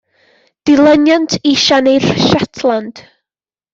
Dilyniant i Siani'r Shetland.